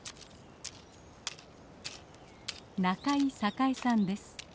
仲井榮さんです。